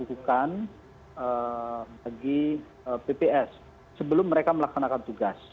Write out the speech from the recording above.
ini dilakukan bagi pps sebelum mereka melaksanakan tugas